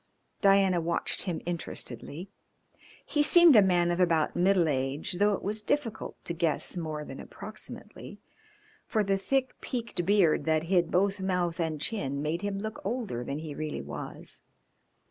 Diana watched him interestedly. He seemed a man of about middle age, though it was difficult to guess more than approximately, for the thick, peaked beard that hid both mouth and chin made him look older than he really was.